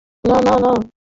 না, না, না, না।